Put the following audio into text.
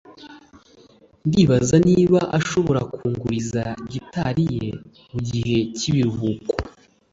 ndibaza niba ashobora kunguriza gitari ye mugihe cyibiruhuko